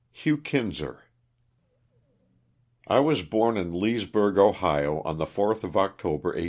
HUGH KINSER. T WAS born in Leesburg, Ohio, ^ on the 4th of October, 1836.